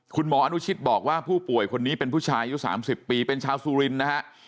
คุณหมออนุชิตบอกว่าผู้ป่วยคนนี้เป็นผู้ชายอายุ๓๐ปีเป็นชาวสุรินทร์นะฮะ